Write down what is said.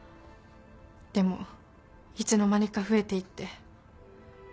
でもいつの間にか増えていって。